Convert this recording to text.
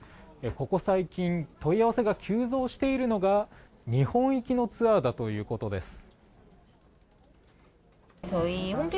ここ最近問い合わせが急増しているのが日本行きのツアーだということです。